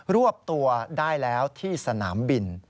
รวบตัวได้แล้วที่สนามบิน